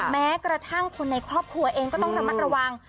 แม้กระทั่งคนในครอบครัวเองก็ต้องระมัดระวัง